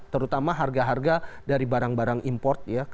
terutama harga harga dari barang barang import ya